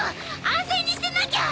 安静にしてなきゃ！